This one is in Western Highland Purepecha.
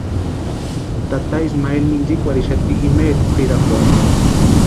Tata Ismael mintsïkwarhixati imeeri kwʼirakwarhu.